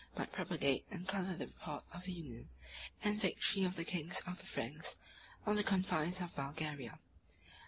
545, 546) might propagate and color the report of the union and victory of the kings of the Franks on the confines of Bulgaria.